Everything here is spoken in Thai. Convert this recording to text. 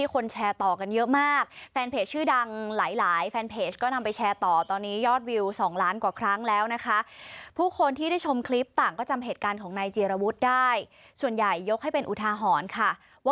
ขอโทษนะพี่นะผมมีแม่อยู่คนเดียว